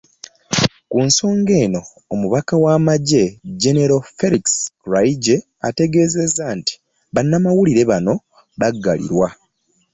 Ku nsonga eno, Omubaka w'amagye, Jjenero Felix Kulaigye ategeezezza nti bannamawulire bano baggalirwa